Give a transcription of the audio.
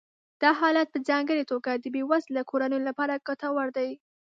دا حالت په ځانګړې توګه د بې وزله کورنیو لپاره ګټور دی